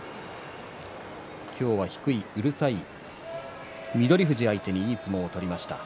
今日は低い、うるさい翠富士相手にいい相撲を取りました。